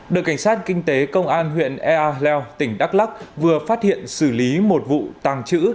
đội cảnh sát kinh tế công an huyện ea leo tỉnh đắk lắc vừa phát hiện xử lý một vụ tàng trữ